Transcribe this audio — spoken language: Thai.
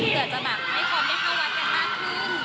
เผื่อจะแบบให้คนได้เข้าวัดกันมากขึ้น